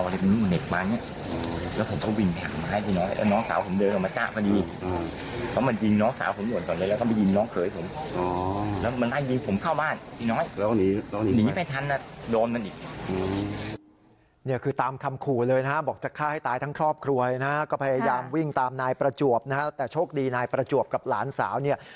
เราก็ไปยินน้องเคยผมแล้วมันนายยิงผมเข้ามาที่น้อย